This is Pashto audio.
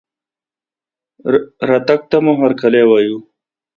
رتګ ته مو هرکلى وايو